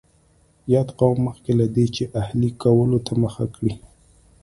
یاد قوم مخکې له دې چې اهلي کولو ته مخه کړي.